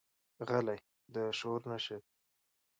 غلی، د شعور نښه لري.